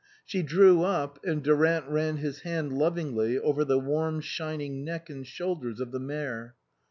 She drew up, and Durant ran his hand lovingly over the warm shining neck and shoulders of the mare.